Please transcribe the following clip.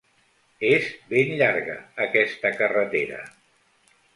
És ben llarga, aquesta carretera.